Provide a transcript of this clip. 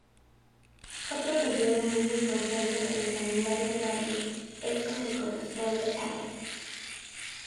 Otro período muy importante para el calendario agrario es cuando corresponde arar.